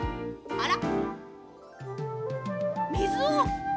あら！